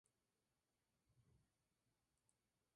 El pueblo opera sus escuelas públicas primarias y secundarias.